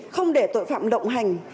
không để tội phạm động hành